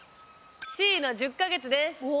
Ｃの１０か月です。